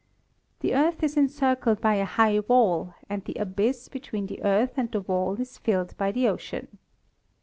The Earth is encircled by a high wall, and the abyss between the Earth and the wall is filled by the ocean.